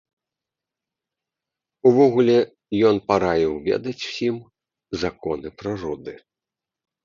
Увогуле, ён параіў ведаць усім законы прыроды.